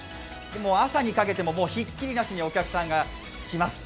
朝にかけてもひっきりなしにお客さんが来ます。